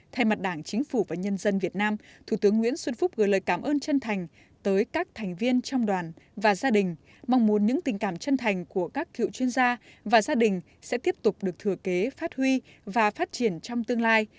thay mặt đảng chính phủ và nhân dân việt nam thủ tướng nguyễn xuân phúc gửi lời cảm ơn chân thành tới các thành viên trong đoàn và gia đình mong muốn những tình cảm chân thành của các cựu chuyên gia và gia đình sẽ tiếp tục được thừa kế phát huy và phát triển trong tương lai